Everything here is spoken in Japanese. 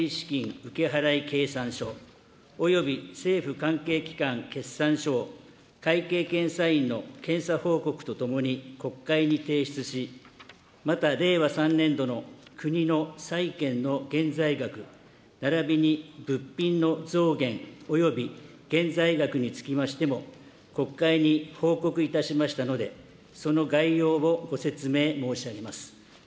受払計算書および政府関係機関決算書を、会計検査院の検査報告とともに国会に提出し、また令和３年度の国の債券の現在額ならびに物品の増減および現在額につきましても、国会に報告いたしましたので、その概要をご説明申し上げます。